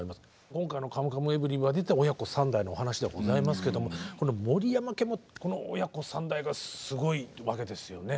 今回の「カムカムエヴリバディ」というのは親子３代のお話ではございますけどこの森山家もこの親子３代がすごいわけですよね